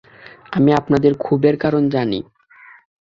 আমি আপনাদের ক্ষোভের কারণ জানি।